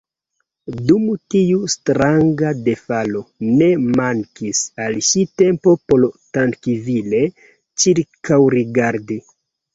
Dum tiu stranga defalo, ne mankis al ŝi tempo por trankvile ĉirkaŭrigardi.